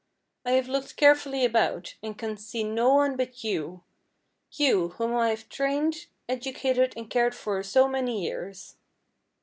I have looked carefully about, and can see no one but you you, whom I have trained, educated, and cared for so many years.